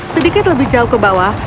sedikit lebih jauh ke bawah